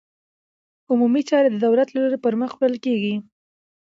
عمومي چارې د دولت له لوري پرمخ وړل کېږي.